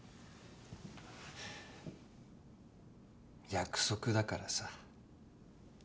約束だからさ。